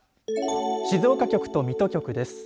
静岡局と水戸局です。